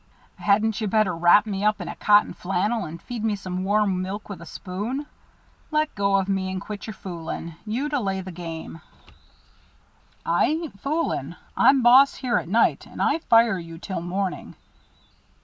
"Hadn't you better wrap me up in cotton flannel and feed me warm milk with a spoon? Let go of me and quit your fooling. You delay the game." "I ain't fooling. I'm boss here at night, and I fire you till morning.